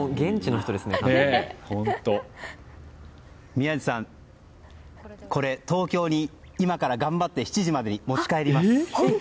宮司さん、これ東京に今から頑張って７時までに持ち帰ります。